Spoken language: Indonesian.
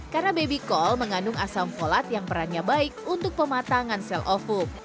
karena baby col mengandung asam folat yang perannya baik untuk pematangan sel ovum